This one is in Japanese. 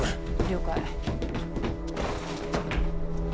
了解。